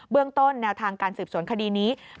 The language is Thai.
เรื่องต้นแนวทางการสืบสวนคดีนี้